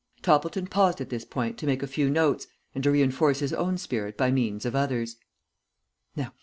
Toppleton paused at this point to make a few notes and to reinforce his own spirit by means of others.